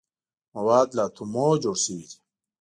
مواد له اتومونو جوړ شوي دي.